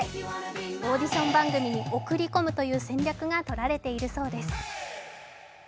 オーディション番組に送り込むという戦略がとられているそうです。